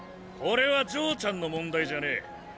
これは嬢ちゃんの問題じゃねぇ。